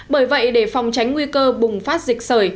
bởi vậy để phòng tránh nguy cơ bùng phát dịch sởi